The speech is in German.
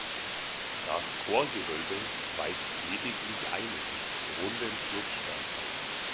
Das Chorgewölbe weist lediglich einen runden Schlussstein auf.